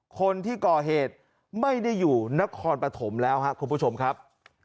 คนที่ก่อเหตุไม่ได้อยู่นครปฐมแล้วครับคุณผู้ชมครับ